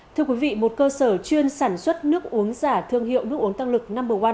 thưa quý vị một cơ sở chuyên sản xuất nước uống giả thương hiệu nước uống tăng lực năm